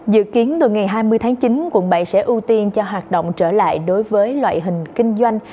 dự kiến từ ngày hai mươi tháng chín quận bảy sẽ ưu tiên cho hoạt động trở lại đối với loại hình kinh doanh